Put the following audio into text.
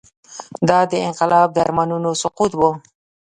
دا د انقلاب د ارمانونو سقوط و.